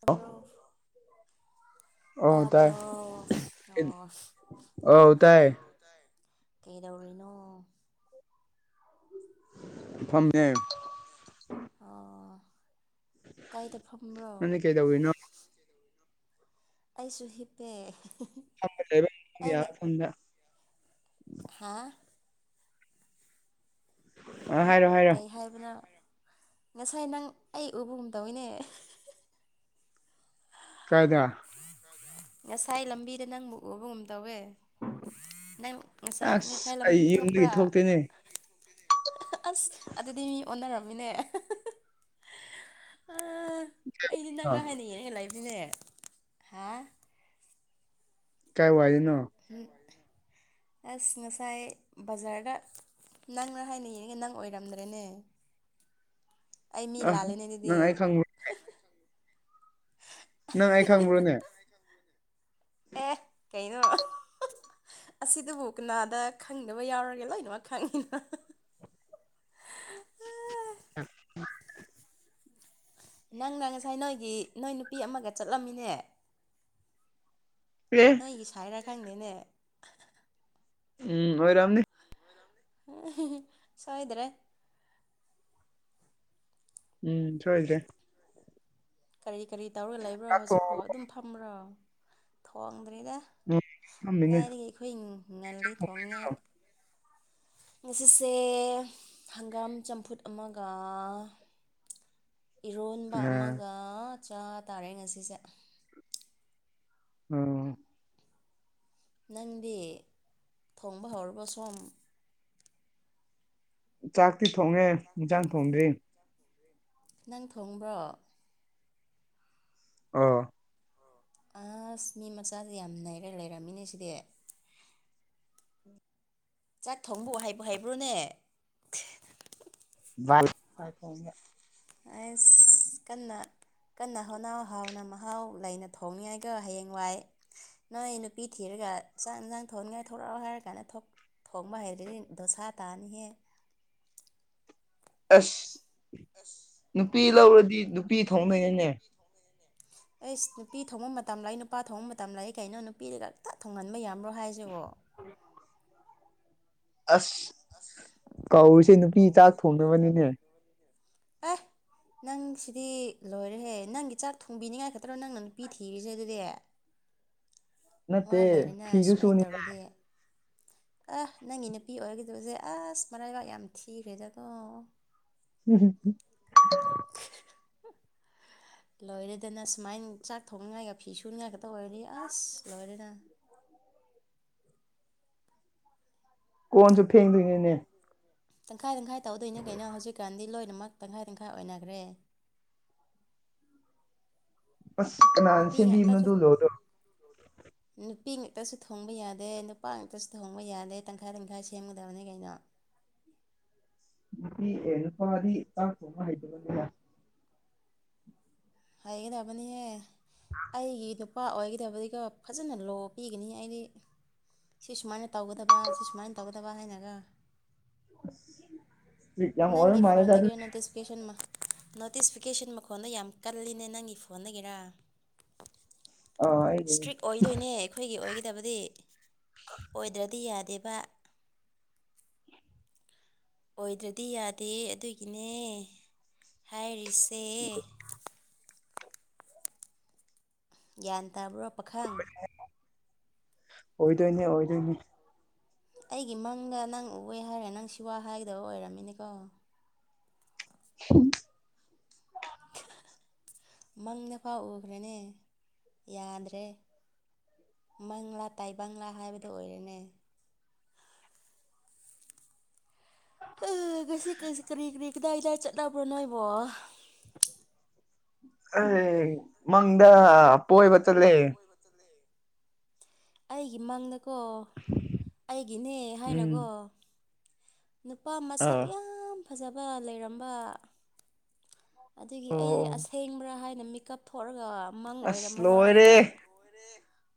ꯇꯥꯕꯔꯣ ꯑꯧ ꯇꯥꯏ ꯇꯥꯕꯔꯣ ꯑꯧ ꯇꯥꯏ ꯑꯣ ꯀꯩꯗꯧꯔꯤꯅꯣ ꯐꯝꯃꯤꯌꯦ ꯑꯣ ꯀꯥꯏꯗ ꯐꯝꯕ꯭ꯔꯣ ꯅꯪꯗꯤ ꯀꯩꯗꯧꯔꯤꯅꯣ ꯑꯩꯁꯨ ꯍꯤꯞꯄꯦ ꯐꯝꯃ ꯂꯩꯥꯕ ꯌꯥꯕ ꯃꯐꯝꯗ ꯍꯥꯥ ꯑꯥ ꯍꯥꯏꯔꯣ ꯍꯥꯏꯔꯣ ꯀꯩ ꯍꯥꯏꯕꯅꯣ ꯉꯁꯥꯏ ꯅꯪ ꯑꯩ ꯎꯒꯨꯝ ꯇꯧꯋꯤꯅꯦ ꯀꯥꯏꯗꯥ ꯉꯥꯁꯥꯏ ꯂꯝꯕꯤꯗꯥ ꯅꯪꯕꯨ ꯎꯕꯒꯨꯝ ꯇꯧꯋꯦ ꯅꯪ ꯉꯥꯁꯥꯏ ꯑꯁ ꯉꯥꯁꯥꯏ ꯂꯝꯕꯤꯗꯥ ꯑꯩ ꯌꯨꯝꯗꯒꯤ ꯊꯣꯛꯄ꯭ꯔꯥ ꯊꯣꯛꯇꯦꯅꯦ ꯑꯁ ꯑꯗꯨꯗꯤ ꯃꯤ ꯑꯣꯟꯅꯥꯔꯝꯃꯤꯅꯦ ꯍꯥ ꯑꯩꯗꯤ ꯑ ꯅꯪꯔꯥ ꯍꯥꯏꯅ ꯌꯦꯡꯉꯥꯒ ꯂꯩꯕꯅꯤꯅꯦ ꯍꯥ ꯀꯥꯏ ꯋꯥꯏꯗꯥꯅꯣ ꯑꯁ ꯉꯥꯁꯥꯏ ꯕꯖꯥ꯭ꯔꯗ ꯅꯪꯔꯥ ꯍꯥꯏꯅ ꯌꯦꯡꯉꯦ ꯅꯪ ꯑꯣꯏꯔꯝꯗ꯭ꯔꯦꯅꯦ ꯑꯩ ꯃꯤ ꯑ ꯂꯥꯜꯂꯦꯅꯦ ꯑꯗꯨꯗꯤ ꯅꯪ ꯑꯩ ꯈꯪꯕ꯭ꯔꯣ ꯅꯪ ꯑꯩ ꯈꯪꯕ꯭ꯔꯣꯅꯦ ꯑꯦ ꯀꯩꯅꯣ ꯑꯁꯤꯗꯕꯨ ꯀꯅꯥꯗ ꯈꯪꯗꯕ ꯌꯥꯎꯔꯒꯦ ꯂꯣꯏꯅꯃꯛ ꯈꯪꯉꯤꯅꯥ [unintelligible] ꯑꯥ ꯅꯪꯅ ꯉꯁꯥꯏ ꯅꯣꯏꯒꯤ ꯅꯣꯏ ꯅꯨꯄꯤ ꯑꯃꯒ ꯆꯠꯂꯝꯃꯤꯅꯦ [unintelligible] ꯑꯩꯒꯤ ꯁꯥꯏꯔ ꯈꯪꯅꯦꯅꯦ ꯎꯝ ꯑꯣꯏꯔꯝꯅꯤ ꯎ [unintelligible] ꯁꯣꯏꯗ꯭ꯔꯦ ꯎꯝ ꯁꯣꯏꯗ꯭ꯔꯦ ꯀꯔꯤ ꯀꯔꯤ ꯇꯧꯔꯒ ꯂꯩꯕ꯭ꯔꯣ ꯆꯥꯛ ꯍꯧꯖꯤꯛꯄꯣ ꯊꯣꯡꯉꯕꯣ ꯑꯗꯨꯝ ꯐꯝꯕ꯭ꯔꯣ ꯊꯣꯡꯗ꯭ꯔꯤꯗꯥ ꯎꯝ ꯐꯝꯃꯤꯅꯦ ꯀꯥꯏꯗꯒꯤ ꯑꯩꯈꯣꯏ ꯉꯜꯂꯤ ꯊꯣꯡꯅꯤꯡꯉꯥꯏ ꯉꯥꯁꯤꯁꯦ ꯍꯪꯒꯥꯝ ꯆꯝꯐꯨꯠ ꯑꯃꯒꯥ ꯏꯔꯣꯟꯕ ꯑ ꯑꯃꯒ ꯆꯥ ꯇꯥꯔꯦ ꯉꯥꯁꯤꯁꯦ ꯎꯝ ꯅꯪꯗꯤ ꯊꯣꯡꯕꯥ ꯍꯧꯔꯥꯕꯣ ꯁꯣꯝ ꯆꯥꯛꯇꯤ ꯊꯣꯡꯉꯦ ꯏꯟꯖꯥꯡ ꯊꯣꯡꯗ꯭ꯔꯤ ꯅꯪ ꯊꯣꯡꯕ꯭ꯔꯣ ꯑꯧ ꯑꯥꯁ ꯃꯤ ꯃꯆꯥꯖꯦ ꯌꯥꯝ ꯅꯩꯔꯥ ꯂꯩꯔꯝꯃꯤꯅꯦ ꯁꯤꯗꯤ ꯆꯥꯛ ꯊꯣꯡꯕꯨ ꯍꯩꯕꯨ ꯍꯩꯩꯕ꯭ꯔꯣꯅꯦ [unintelligible] ꯑꯩꯁ ꯀꯟꯅꯥ ꯀꯟꯅ ꯍꯣꯠꯅꯧ ꯍꯥꯎꯅ ꯃꯍꯥꯎ ꯂꯩꯅ ꯊꯣꯡꯅꯤꯉꯥꯏꯗꯣ ꯍꯥꯌꯦꯡꯋꯥꯏ ꯅꯣꯏ ꯅꯨꯄꯤ ꯊꯤꯔꯒ ꯆꯥꯛ ꯏꯟꯁꯥꯡ ꯊꯣꯡꯅꯤꯡꯉꯥꯏ ꯊꯣꯔꯛꯑꯣ ꯍꯥꯏꯔ ꯀꯥꯟꯗ ꯊꯣꯛ ꯊꯣꯡꯕ ꯍꯩ [unintelligible] ꯗꯣꯁꯥ ꯇꯥꯅꯤꯍꯦ ꯑꯁ ꯅꯨꯄꯤ ꯂꯧꯔꯥꯗꯤ ꯅꯨꯄꯤ ꯊꯣꯡꯗꯣꯏꯅꯤꯅꯦ ꯑꯩꯁ ꯅꯨꯄꯤ ꯊꯣꯡꯕ ꯃꯇꯝ ꯂꯩ ꯅꯨꯄꯥ ꯊꯣꯡꯕ ꯃꯇꯝ ꯂꯥꯩ ꯀꯩꯅꯣ ꯅꯨꯄꯤꯗ ꯈꯛꯇ ꯊꯣꯡꯍꯟꯕ ꯌꯥꯕ꯭ꯔꯣ ꯍꯥꯏꯖꯤꯕꯣ [inaudible] ꯑꯁ ꯀꯧꯔꯤꯁꯦ ꯅꯨꯄꯤ ꯆꯥꯛ ꯊꯣꯡꯗꯕꯅꯤꯅꯦ ꯑꯦ ꯅꯪ ꯁꯤꯗꯤ ꯂꯣꯏꯔꯦꯍꯦ ꯅꯪꯒꯤ ꯆꯥꯛ ꯊꯣꯡꯕꯤꯅꯤꯡꯉꯥꯏ ꯈꯛꯇꯥꯔꯣ ꯅꯪꯅ ꯅꯨꯄꯤ ꯊꯤꯔꯤꯁꯦ ꯑꯗꯨꯗꯤ ꯋꯥ ꯅꯠꯇꯦ ꯂꯣꯢꯔꯦꯅ ꯐꯤꯁꯨ ꯁꯨꯃꯥꯢ ꯁꯨꯅꯤꯅꯦ ꯇꯧꯔꯗꯤ ꯑ ꯅꯪꯒꯤ ꯅꯨꯄꯤ ꯑꯣꯢꯔꯒꯗꯕꯖꯦ ꯑꯁ ꯃꯔꯥꯢꯕꯛ ꯌꯥꯝ ꯊꯤꯈ꯭ꯔꯦꯗꯀꯣ ꯎꯝ ꯍꯨꯝ ꯂꯣꯢꯔꯦꯗꯅ ꯁꯨꯃꯥꯢꯅ ꯆꯥꯛ ꯊꯣꯡꯅꯤꯡꯉꯥꯢꯒ ꯐꯤꯁꯨꯅꯤꯉꯥꯢ ꯈꯛꯇ ꯑꯣꯢꯔꯗꯤ ꯑꯁ ꯂꯣꯢꯔꯦꯗꯅ ꯀꯣꯟꯁꯨ ꯐꯦꯡꯗꯨꯏꯅꯤꯅꯦ ꯇꯪꯈꯥꯢ ꯇꯪꯈꯥꯢ ꯇꯧꯗꯣꯢꯅꯦ ꯀꯩꯅꯣ ꯍꯧꯖꯤꯛꯀꯥꯟꯗꯤ ꯂꯣꯢꯅꯃꯛ ꯇꯪꯈꯥꯢ ꯇꯪꯈꯥꯢ ꯑꯣꯢꯅꯈ꯭ꯔꯦ ꯑꯁ ꯑꯅ ꯅꯨꯄꯤ ꯉꯥꯛꯇꯁꯨ ꯅꯨꯄꯤ ꯉꯥꯛꯇꯁꯨ ꯊꯣꯡꯕ ꯌꯥꯗꯦ ꯅꯨꯄꯥ ꯉꯥꯛꯇꯁꯨ ꯊꯣꯡꯕ ꯌꯥꯗꯦ ꯇꯪꯈꯥꯢ ꯇꯪꯈꯥꯢ ꯁꯦꯝꯒꯗꯕꯅꯤ ꯀꯩꯅꯣ ꯅꯨꯄꯤ ꯑꯦ ꯅꯨꯄꯥꯗꯤ ꯆꯥꯛ ꯊꯣꯡꯕ ꯍꯩꯇꯕꯅꯤꯅꯦ ꯍꯥꯢꯒꯗꯅꯕꯅꯤꯍꯦ ꯑꯩꯒꯤ ꯅꯨꯞ ꯄꯥ ꯑꯣꯢꯒꯗꯕꯗꯤꯀꯣ ꯐꯖꯅ ꯂꯣ ꯄꯤꯒꯅꯤꯍꯦ ꯑꯩꯗꯤ ꯁꯤ ꯁꯨꯃꯥꯢꯅ ꯇꯧꯒꯗꯕ ꯁꯤ ꯁꯨꯃꯥꯢꯅ ꯇꯧꯒꯗꯕ ꯍꯥꯢꯅꯒꯣ ꯇꯤꯛ ꯌꯥꯝ ꯍꯣꯔ ꯃꯥꯜꯂꯦꯗ ꯑꯗꯨ ꯀꯦꯁꯟꯃ ꯅꯣꯇꯤꯁꯐꯤꯀꯦꯁꯟ ꯃꯈꯣꯟꯗꯣ ꯌꯥꯝ ꯀꯜꯂꯤꯅꯦ ꯅꯪꯒꯤ ꯐꯣꯟꯗꯒꯤꯔꯥ ꯑꯥ [unintelligible] ꯑꯩꯒꯤꯅꯤ ꯏꯁꯇ꯭ꯔꯤꯛ ꯑꯣꯢꯗꯨꯏꯅꯦ ꯈꯣꯢꯒꯤ ꯑꯣꯢꯒꯗꯕꯗꯤ ꯑꯣꯢꯗ꯭ꯔꯗꯤ ꯌꯥꯗꯦꯕ ꯑꯣꯢꯗ꯭ꯔꯗꯤ ꯌꯥꯗꯦ ꯑꯗꯨꯒꯤꯅꯦ ꯍꯥꯢꯔꯤꯁꯦ ꯒ꯭ꯌꯥꯟ ꯇꯥꯕ꯭ꯔꯣ ꯄꯥꯈꯪ ꯑꯣꯢꯗꯣꯢꯅꯤ ꯑꯣꯢꯗꯣꯢꯅꯤ ꯑꯩꯒꯤ ꯃꯪꯗ ꯅꯪ ꯎꯋꯦ ꯍꯥꯢꯔꯦ ꯅꯪ ꯁꯤꯋꯥ ꯍꯥꯢꯒꯗꯕ ꯑꯣꯢꯔꯝꯃꯤꯅꯤꯀꯣ ꯎꯍꯝ ꯃꯪꯗꯐꯥꯎ ꯎꯈ꯭ꯔꯦꯅꯦ ꯌꯥꯗ꯭ꯔꯦ ꯃꯪꯂꯥ ꯇꯥꯢꯕꯪꯪꯂꯥ ꯍꯥꯢꯕꯗꯣ ꯑꯣꯢꯔꯦꯅꯦ ꯑꯦ ꯉꯁꯤ ꯀꯁ ꯀꯔꯤ ꯀꯔꯤ ꯀꯗꯥꯢ ꯀꯗꯥꯢ ꯆꯠꯅꯕ꯭ꯔꯣ ꯅꯣꯢꯕꯣ ꯑꯦ ꯃꯪꯗ ꯄꯣꯢꯕ ꯆꯠꯂꯦ ꯑꯩꯒꯤ ꯃꯪꯗꯀꯣ ꯑꯩꯒꯤꯅꯦ ꯎꯝ ꯍꯥꯢꯅꯀꯣ ꯅꯨꯄꯥ ꯃꯁꯛ ꯑꯥ ꯌꯥꯝ ꯐꯖꯕ ꯂꯩꯔꯝꯕ ꯑꯗꯨꯒꯤ ꯑꯣ ꯑꯩꯗꯤ ꯑꯣ ꯑꯁꯦꯡꯕ꯭ꯔꯥ ꯍꯥꯢꯅ ꯃꯤꯀꯞ ꯊꯣꯛꯑꯒ ꯃꯪ ꯑꯁ ꯑꯣꯢꯔꯝꯕ ꯂꯣꯏꯔꯦ ꯋꯥꯅꯤꯗ ꯂꯣꯢꯔꯦ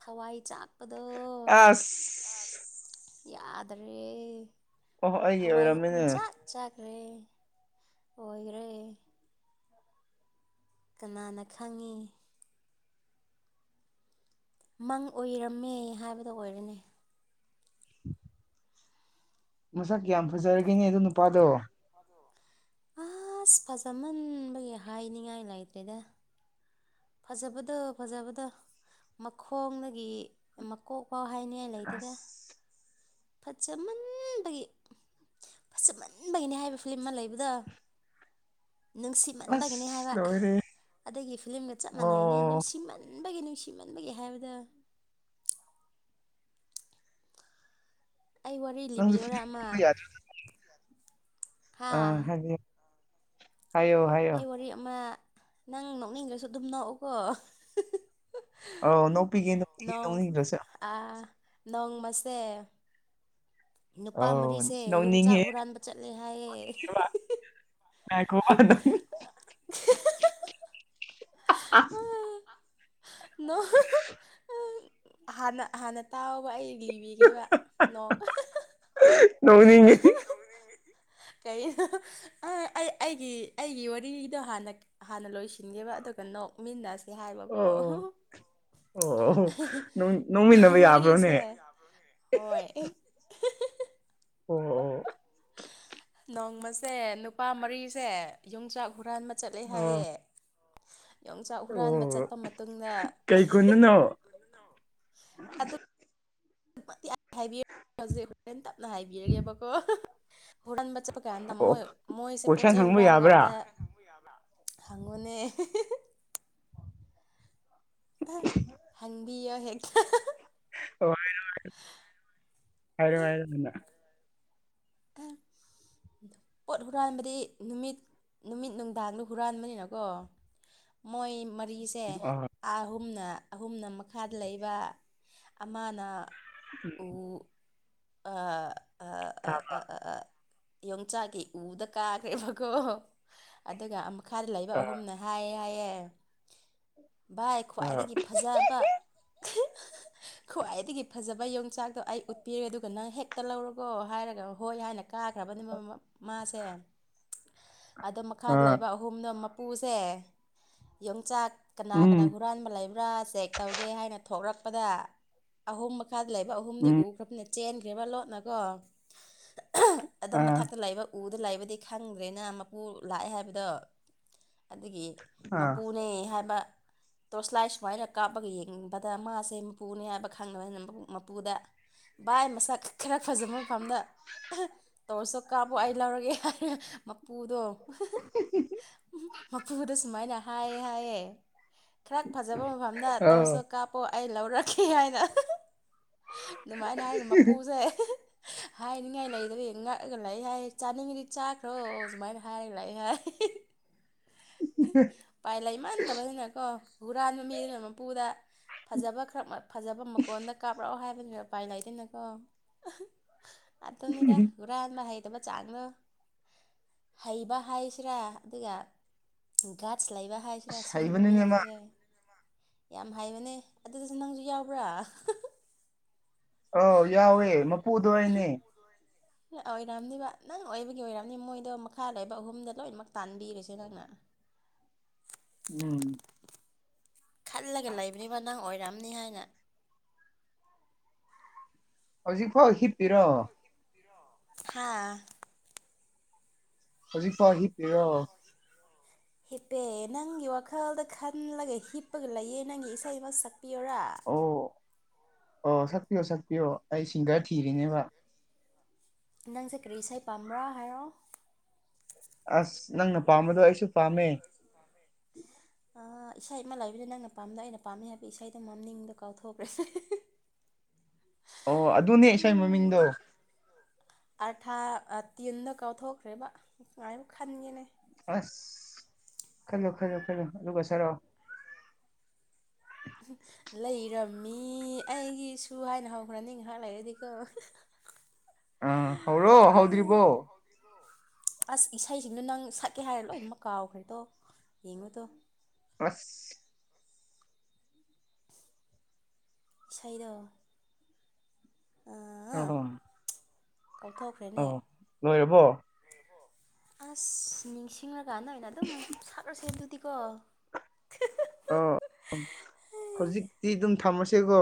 ꯊꯋꯥꯢ ꯆꯥꯛꯄꯗꯣ ꯑꯁ ꯑ ꯌꯥꯗꯔꯦ ꯑꯣꯍꯣ ꯑꯩꯒꯤ ꯊꯋꯥꯢꯖꯦ ꯑꯣꯏꯔꯝꯃꯤꯅꯦ ꯄꯨꯡꯆꯥꯛ ꯆꯥꯛꯈ꯭ꯔꯦ ꯑꯣꯢꯒ꯭ꯔꯦ ꯀꯅꯥꯅ ꯈꯪꯉꯤ ꯃꯪ ꯑꯣꯢꯔꯝꯃꯦ ꯍꯥꯢꯕꯗꯣ ꯑꯣꯢꯔꯦꯅꯦ [unintelligible] ꯃꯁꯛ ꯀꯤꯌꯥꯝ ꯐꯖꯔꯒꯦꯅꯦ ꯑꯗꯨ ꯅꯨꯄꯥꯗꯣ ꯑꯁ ꯐꯖꯃꯟꯕꯒꯤ ꯍꯥꯢꯅꯤꯡꯉꯥꯢ ꯂꯩꯇꯦꯗ ꯐꯖꯕꯗꯣ ꯐꯖꯕꯗꯣ ꯃꯈꯣꯡꯗꯒꯤ ꯃꯀꯣꯛ ꯐꯥꯎ ꯍꯥꯢꯅꯤꯉꯥꯢ ꯂꯩꯇꯦꯗ ꯑꯁ ꯐꯖꯃꯟꯕꯒꯤ ꯐꯖꯃꯟꯕꯒꯤꯅꯤ ꯍꯥꯢꯕ ꯐꯤꯂꯝ ꯑꯃ ꯂꯩꯕꯗꯣ ꯅꯨꯡꯁꯤꯃꯟꯕꯒꯤꯅꯤ ꯑꯁ ꯍꯥꯢꯕ ꯂꯣꯏꯔꯦ ꯑꯗꯒꯤ ꯐꯤꯂꯝꯒ ꯆꯞ ꯃꯥꯟꯅꯩꯅꯦ ꯑꯣ ꯅꯨꯡꯁꯤꯃꯟꯕꯒꯤ ꯅꯨꯡꯁꯤꯃꯟꯕꯒꯤ ꯍꯥꯢꯕꯗꯣ ꯑꯩ ꯋꯥꯔꯤ ꯅꯪꯁꯨ ꯂꯤꯕꯤꯌꯨꯔꯥ ꯑꯃ ꯐꯨꯅꯤꯡꯕ ꯍꯥ ꯑ ꯍꯥꯢ ꯌꯣ ꯍꯥꯢꯌꯣ ꯑꯩ ꯋꯥꯔꯤ ꯑꯃ ꯅꯪ ꯅꯣꯛꯅꯤꯡꯉꯁꯨ ꯑꯗꯨꯝ ꯅꯣꯛꯎꯀꯣ ꯑꯩ ꯅꯣꯛꯄꯤꯒꯦ ꯅꯣꯛꯄꯤꯒꯦ ꯅꯣꯡ ꯅꯧꯅꯤꯡꯗ꯭ꯔꯁꯨ [unintelligible] ꯅꯣꯡꯃꯁꯦ ꯅꯨꯄꯥ ꯑꯧ ꯃꯔꯤꯁꯦ ꯌꯣꯡꯆꯥꯛ ꯅꯣꯛꯅꯤꯡꯉꯦ ꯍꯨꯔꯥꯟꯕ ꯆꯠꯂꯦ ꯍꯥꯏꯌꯦ ꯉꯥꯏꯈꫭꯕ [unintelligible] [unintelligible] ꯍꯥꯟꯅ ꯍꯥꯟꯅ ꯇꯥꯎꯕ ꯑꯩ ꯂꯤꯕꯤꯒꯦꯕ ꯅꯣꯛ [unintelligible] [unintelligible] ꯅꯣꯛꯅꯤꯡꯉꯤ [unintelligible] ꯀꯩ [unintelligible] ꯑꯩ ꯑꯩꯒꯤ ꯑꯩꯒꯤ ꯋꯥꯔꯤꯗꯣ ꯍꯥꯟꯅ ꯍꯥꯟꯅ ꯂꯣꯏꯁꯤꯟꯒꯦꯕ ꯑꯗꯨꯒ ꯅꯣꯛꯃꯤꯟꯅꯁꯦ ꯍꯥꯏꯕꯀꯣ ꯑꯣ [unintelligible] ꯑꯣ ꯑꯣ ꯅꯣꯛ [unintelligible] ꯅꯨꯄꯥ ꯅꯣꯛꯃꯤꯟꯅꯕ ꯌꯥꯕ꯭ꯔꯣꯅꯦ ꯃꯔꯤꯁꯦ ꯍꯣꯏ [unintelligible] ꯑꯣ ꯅꯣꯡꯃꯁꯦ ꯅꯨꯄꯥ ꯃꯔꯤꯁꯦ ꯌꯣꯡꯆꯥꯛ ꯍꯨꯔꯥꯟꯕ ꯆꯠꯂꯦ ꯑꯣ ꯑꯣ ꯍꯥꯏꯌꯦ ꯌꯣꯡꯆꯥꯛ ꯍꯨꯔꯥꯟꯕ ꯑꯣ ꯆꯠꯄ ꯃꯇꯨꯡꯗ ꯀꯩ ꯈꯨꯟꯗꯅꯣ ꯍꯥꯢꯕꯤꯒꯦ ꯍꯧꯖꯤꯛ ꯍꯣꯔꯦꯟ ꯇꯞꯅ ꯍꯥꯏꯕꯤꯔꯒꯦꯕ ꯀꯣ ꯍꯨꯔꯥꯟꯕ ꯆꯠꯄ ꯀꯥꯟꯗ ꯑꯣ ꯃꯣꯏ ꯃꯣꯏꯁꯦ ꯄꯣꯠ ꯀꯣꯏꯁꯟ ꯆꯩꯩ ꯍꯪꯕ ꯍꯨꯔꯥꯟꯕ ꯌꯥꯕ꯭ꯔꯥ ꯀꯥꯟꯗ [unintelligible] ꯍꯪꯉꯣꯅꯦ [unintelligible] ꯄꯤꯌꯣ ꯍꯦꯛꯇ ꯋꯥꯔꯤ ꯅꯨꯡꯉꯥꯏ ꯍꯥꯢꯔꯣ ꯍꯥꯢꯔꯣ ꯅꯪꯅ [unintelligible] ꯄꯣꯠ ꯍꯨꯔꯥꯟꯕꯗꯤ ꯅꯨꯃꯤꯠ ꯅꯨꯃꯤꯠ ꯅꯨꯡꯗꯥꯡꯗ ꯍꯨꯔꯥꯟꯕꯅꯤꯅꯀꯣ ꯃꯣꯏ ꯃꯔꯤꯁꯤ ꯁꯦ ꯑꯣ ꯑꯥꯍꯨꯝꯅ ꯑꯍꯨꯝꯅ ꯃꯈꯥꯗ ꯂꯩꯕ ꯑꯃꯥꯅ [unintelligible] ꯑꯥ ꯑꯥ ꯑꯥ ꯇꯥꯕ꯭ꯔꯥ ꯑꯥ ꯑꯥꯥ ꯌꯣꯡꯆꯥꯛꯀꯤ ꯎꯗ ꯀꯥꯈ꯭ꯔꯦꯕꯀꯣ ꯑꯗꯨꯒ ꯑꯃ ꯃꯈꯥꯗ ꯂꯩꯕ ꯑꯥ ꯑꯍꯨꯝꯅ ꯍꯥꯏꯌꯦ ꯍꯥꯏꯌꯦ ꯚꯥꯏ ꯑꯥ ꯈ꯭ꯋꯥꯏꯗꯒꯤ ꯐꯖꯥꯕ [unintelligible] ꯈ꯭ꯋꯥꯏꯗꯒꯤ ꯐꯖꯕ ꯌꯣꯡꯆꯥꯛꯇꯣ ꯑꯩ ꯎꯠꯄꯤꯔꯦ ꯑꯗꯨꯒ ꯒ ꯅꯪ ꯍꯦꯛꯇ ꯂꯧꯔꯣꯀꯣ ꯍꯥꯏꯔꯒ ꯍꯣꯏ ꯍꯥꯏꯅ ꯀꯥꯈ꯭ꯔꯕꯅꯦꯕ ꯃꯥꯁꯦ ꯑꯗꯣ ꯃꯈꯥꯗ ꯑꯥ ꯂꯩꯕ ꯑꯍꯨꯝꯗꯣ ꯃꯄꯨꯁꯦ ꯌꯣꯡꯆꯥꯛ ꯀꯅꯥ ꯀꯅꯥ ꯎꯝ ꯍꯨꯔꯥꯟꯕ ꯂꯩꯕ꯭ꯔꯥ ꯆꯦꯛ ꯇꯧꯒꯦ ꯍꯥꯏꯅ ꯊꯣꯛꯔꯛꯄꯗ ꯑꯍꯨꯝ ꯃꯈꯥꯗ ꯂꯩꯕ ꯑꯍꯨꯝꯗꯤ ꯎꯝ ꯎꯈ꯭ꯔꯕꯅꯤꯅ ꯆꯦꯟꯈ꯭ꯔꯦꯕ ꯂꯣꯠꯅꯀꯣ [unintelligible] ꯑꯗꯣ ꯑꯥ ꯃꯊꯛꯇ ꯂꯩꯕ ꯎꯗ ꯂꯩꯕꯗꯤ ꯈꯪꯗ꯭ꯔꯦꯅ ꯃꯄꯨ ꯂꯥꯛꯑꯦ ꯍꯥꯏꯕꯗꯣ ꯑꯗꯨꯒꯤ ꯑꯥ ꯃꯄꯨꯅꯦ ꯍꯥꯏꯕ ꯇꯣꯔꯁꯂꯥꯏ ꯁꯨꯃꯥꯏꯅ ꯀꯥꯞꯄꯒ ꯌꯦꯡꯕꯗ ꯃꯥꯁꯦ ꯃꯄꯨꯅꯦ ꯍꯥꯏꯕ ꯈꯪꯗꯕꯅꯤꯅ ꯃꯄꯨꯗ ꯚꯥꯏ ꯃꯁꯛ ꯈꯔ ꯐꯖꯕ ꯃꯐꯝꯗ [unintelligible] ꯇꯧꯔꯁꯁꯨ ꯀꯥꯞꯄꯣ ꯑꯩ ꯂꯧꯔꯒꯦ ꯍꯥꯢꯔ ꯃꯄꯨꯗꯣ [unintelligible] ꯃꯄꯨꯗ ꯁꯨꯃꯥꯏꯅ ꯍꯥꯏꯌꯦ ꯍꯥꯏꯌꯦ ꯈ꯭ꯔ ꯐꯖꯕ ꯃꯐꯝꯗ ꯑꯧ ꯇꯣꯔꯁꯇꯣ ꯀꯥꯞꯄꯣ ꯑꯩ ꯂꯧꯔꯛꯀꯦ ꯍꯥꯏꯅ [unintelligible] ꯑꯗꯨꯃꯥꯏꯅ ꯍꯥꯏꯔ ꯃꯄꯨꯁꯦ [unintelligible] ꯍꯥꯏꯅꯤꯡꯉꯥꯏ ꯂꯩꯗꯕꯤ ꯉꯛꯑꯒ ꯂꯩꯥ ꯍꯥꯏꯌꯦ ꯆꯥꯅꯤꯡꯉꯤꯗꯤ ꯆꯥꯈ꯭ꯔꯣ ꯁꯨꯃꯥꯏꯅ ꯍꯥꯏꯔꯒ ꯂꯩ ꯍꯥꯏ ꯄꯥꯏ ꯂꯩꯃꯥꯟꯗꯕꯅꯤꯅꯀꯣ ꯍꯨꯔꯥꯟꯕ ꯃꯤꯗꯨꯅ ꯃꯄꯨꯗ ꯐꯖꯕ ꯈꯔ ꯐꯖꯕ ꯃꯀꯣꯟꯗ ꯀꯥꯞꯔꯛꯑꯣ ꯍꯥꯏꯕꯅꯤ ꯎꯄꯥꯏ ꯂꯩꯇꯦꯅꯀꯣ ꯑꯗꯨꯅꯤꯗ ꯍꯨꯔꯥꯟꯕ ꯍꯩꯇꯕ ꯆꯥꯛꯔꯣ ꯍꯩꯕ ꯍꯩꯁꯤꯔꯥ ꯑꯗꯨꯒ ꯒꯠꯁ ꯂꯥꯏꯕ ꯍꯥꯏꯁꯤꯔꯥ ꯑꯁ ꯁꯤꯒꯨꯝꯕ ꯍꯩꯕꯅꯤꯅꯦ ꯃꯥ ꯃꯤꯖꯤꯡꯖꯦ ꯌꯥꯝ ꯍꯥꯏꯕꯅꯦ ꯑꯗꯨꯗꯁꯨ ꯅꯪꯁꯨ ꯌꯥꯎꯕ꯭ꯔꯥ ꯑꯧ ꯌꯥꯎꯋꯦ ꯃꯄꯨꯗꯣ ꯑꯩꯅꯦ ꯑꯣꯏꯔꯝꯅꯤꯕ ꯅꯪ ꯑꯣꯏꯕꯒꯤ ꯑꯣꯏꯔꯝꯅꯤ ꯃꯣꯏꯗꯣ ꯃꯈꯥ ꯂꯩꯕ ꯑꯍꯨꯝꯗ ꯂꯣꯏꯅꯃꯛ ꯇꯥꯟꯕꯤꯔꯦꯁꯦ ꯅꯪꯅ ꯎꯝ ꯈꯜꯂꯒ ꯂꯩꯕꯅꯤꯕ ꯅꯪ ꯑꯣꯏꯔꯝꯅꯤ ꯍꯥꯏꯅ ꯍꯧꯖꯤꯛꯐꯥꯎ ꯍꯤꯞꯄꯤꯔꯣ ꯍꯥꯥ ꯍꯧꯖꯤꯛ ꯐꯥꯎ ꯍꯤꯞꯄꯤꯔꯣ ꯍꯤꯞꯄꯦ ꯅꯪꯒꯤ ꯋꯥꯈꯜꯗ ꯈꯜꯂꯒ ꯍꯤꯞꯄꯒ ꯂꯩꯌꯦ ꯅꯪꯒꯤ ꯏꯁꯩ ꯑꯃ ꯁꯛꯄꯤꯌꯨꯔꯥ ꯑꯣ ꯑꯣ ꯁꯛꯄꯤꯌꯣ ꯁꯛꯄꯤꯌꯣ ꯑꯩ ꯁꯤꯡꯒꯔ ꯊꯤꯔꯤꯅꯦꯕ ꯑꯣ ꯅꯪꯁꯦ ꯀꯔꯤ ꯏꯁꯩ ꯄꯥꯝꯕ꯭ꯔꯥ ꯍꯥꯏꯔꯣ ꯑꯁ ꯅꯪꯅ ꯄꯥꯝꯕꯗꯣ ꯑꯩꯁꯨ ꯄꯥꯝꯃꯦ ꯑꯩꯁꯨ ꯄꯥꯥꯝꯃꯦ ꯑ ꯏꯁꯩ ꯑꯃ ꯂꯩꯕꯅꯦ ꯅꯪꯅ ꯄꯥꯝꯗꯣ ꯑꯩꯅ ꯄꯥꯝꯃꯦ ꯍꯥꯏꯕ ꯏꯁꯩꯗꯣ ꯃꯅꯤꯡꯗꯣ ꯀꯥꯎꯊꯣꯛꯈ꯭ꯔꯦ ꯑꯣ ꯑꯗꯨꯅꯦ ꯏꯁꯩ ꯃꯥꯃꯤꯡꯗꯣ ꯑꯥꯔꯊꯥ ꯇꯤꯟꯗ ꯀꯥꯎꯊꯣꯛꯈ꯭ꯔꯦꯕ ꯉꯥꯛ ꯈꯟꯒꯦꯅꯦ ꯑꯁ ꯈꯜꯂꯨ ꯈꯜꯂꯨ ꯈꯜꯂꯨ ꯑꯗꯨꯒ ꯁꯥꯔꯛꯑꯣ ꯂꯩꯔꯝꯃꯤ ꯑꯩꯒꯤꯁꯨ ꯍꯥꯏꯅ ꯍꯧꯈ꯭ꯔꯅꯤ ꯉꯥꯏꯍꯥꯛ ꯂꯩꯔꯗꯤꯀꯣ [unintelligible] ꯑ ꯍꯧꯔꯣ ꯍꯧꯗ꯭ꯔꯤꯕꯣ ꯑꯁ ꯏꯁꯩꯁꯤꯡꯗꯨ ꯅꯪ ꯁꯛꯀꯦ ꯍꯥꯏꯔ ꯂꯣꯏꯅꯃꯛ ꯀꯥꯎꯈ꯭ꯔꯦꯗꯣ ꯌꯦꯡꯉꯨꯗꯣ ꯑꯁ ꯏꯁꯩꯗꯣ ꯑꯥ ꯑꯣ ꯀꯥꯎꯊꯣꯛꯈ꯭ꯔꯦꯅꯦ ꯑꯣ ꯂꯣꯏꯔꯕꯣ ꯑꯁ ꯅꯤꯡꯁꯤ ꯅꯤꯡꯉꯀꯥꯟꯗ ꯑꯣꯏꯅ ꯑꯗꯨꯝ ꯁꯥꯠꯂꯁꯦ ꯑꯗꯨꯗꯤꯀꯣ ꯑ ꯍꯧꯖꯤꯛꯇꯤ ꯑꯗꯨꯝ ꯊꯝꯃꯥꯁꯦꯀꯣ